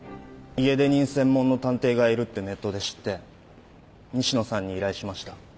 家出人専門の探偵がいるってネットで知って西野さんに依頼しました。